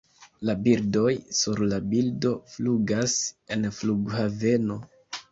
La birdoj, Sur la bildo, flugas en flughaveno.